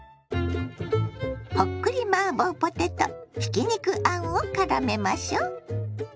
ほっくりマーボーポテトひき肉あんをからめましょ。